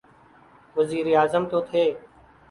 وزیراعظم تو تھے۔